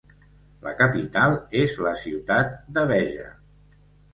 La capital és la ciutat de Béja.